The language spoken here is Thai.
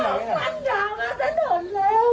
บ้านดาวมาทะเถิดแล้ว